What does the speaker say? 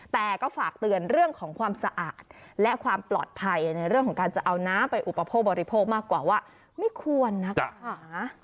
แต่ก็ฝากเตือนเรื่องของความสะอาดและความปลอดภัยในเรื่องของการจะเอาน้ำไปอุปโภคบริโภคมากกว่าว่าไม่ควรนะคะ